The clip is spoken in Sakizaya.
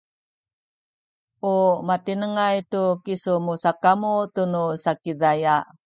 u matinengay tu kisu musakamu tunu Sakizaya